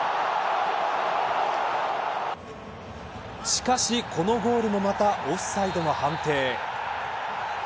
しかし、このゴールもまた、オフサイドの判定。